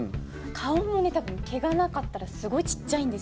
顔もね多分毛がなかったらすごいちっちゃいんですよ。